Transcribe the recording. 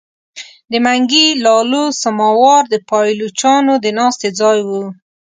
د منګي لالو سماوار د پایلوچانو د ناستې ځای وو.